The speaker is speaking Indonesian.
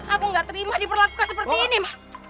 aku gak terima diperlakukan seperti ini mas